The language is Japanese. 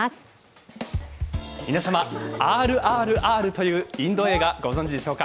皆様、「ＲＲＲ」というインド映画、ご存じでしょうか。